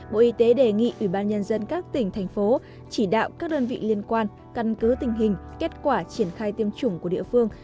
bộ y tế đề nghị ủy ban nhân dân các tỉnh thành phố chỉ đạo các đơn vị liên quan căn cứ tình hình kết quả triển khai tiêm chủng của địa phương